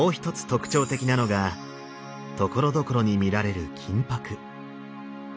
特徴的なのがところどころに見られる金箔。